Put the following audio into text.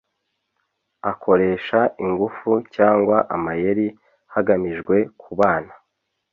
akoresha ingufu cyangwa amayeri hagamijwe kubana